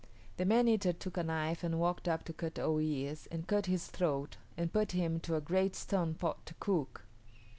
The man eater took a knife and walked up to Kut o yis´ and cut his throat and put him into a great stone pot to cook.